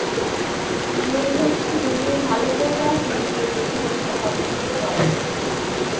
নলিনাক্ষ দুদিন ভালো করিয়া হেমকে দেখিলেই তাহা বুঝিতে পারিবেন।